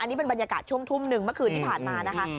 นี่เป็นบรรยากาศช่วงทุ่มหนึ่งเมื่อคืนที่ผ่านมานะคะ